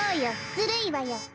ずるいわよ。